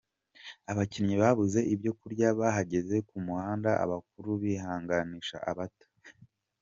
Abakinnyi babuze ibyo kurya bahagaze ku muhanda abakuru bihanganisha abato.